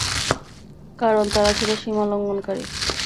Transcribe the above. কারণ তারা ছিল সীমালঙ্ঘনকারী।